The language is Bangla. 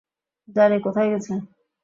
জানি কোথায় গেছে।